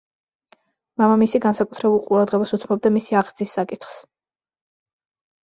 მამამისი განსაკუთრებულ ყურადღებას უთმობდა მისი აღზრდის საკითხს.